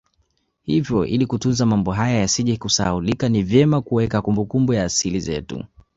Hivyo ili kutunza mambo haya yasije kusahaulika ni vyema kuweka kumbukumbu ya asili zetu